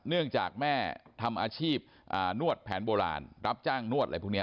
เนื่องจากแม่ทำอาชีพนวดแผนโบราณรับจ้างนวดอะไรพวกนี้